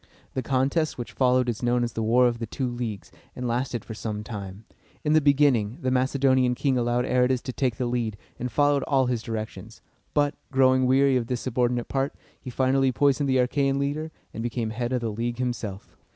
The contest which followed is known as the War of the Two Leagues, and lasted for some time. In the beginning, the Macedonian king allowed Aratus to take the lead, and followed all his directions; but, growing weary of this subordinate part, he finally poisoned the Achæan leader, and became head of the league himself.